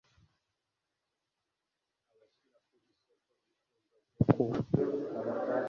abashyira ku isoko ibicuruzwa byo ku